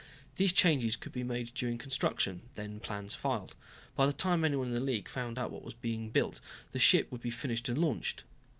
These changes could be made during construction, then plans filed. By the time anyone in the League found out what was being built the ship would be finished and launched.